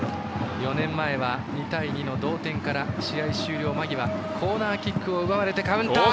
４年前は２対２から試合終了間際コーナーキックを奪われてカウンター。